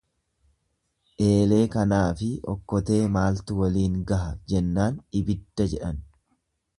Eelee kanaafi okkotee maaltu waliin gaha, jennaan ibidda jedhan.